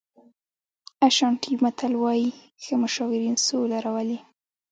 اشانټي متل وایي ښه مشاورین سوله راوړي.